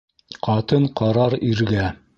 Ҡатын ҡарар иргә